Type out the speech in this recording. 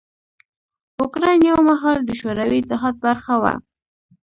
اوکراین یو مهال د شوروي اتحاد برخه وه.